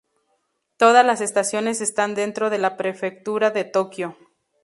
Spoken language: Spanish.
Todas las estaciones están dentro de la prefectura de Tokio.